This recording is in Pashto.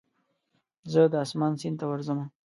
زه د اسمان سیند ته ورځمه